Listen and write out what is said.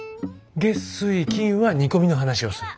月・水・金は煮込みの話をする。